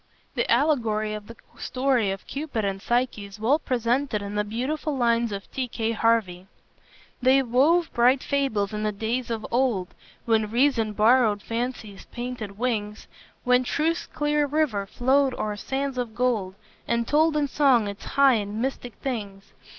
The allegory of the story of Cupid and Psyche is well presented in the beautiful lines of T. K. Harvey: "They wove bright fables in the days of old, When reason borrowed fancy's painted wings; When truth's clear river flowed o'er sands of gold, And told in song its high and mystic things!